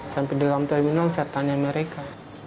sampai dalam terminal saya tanya mereka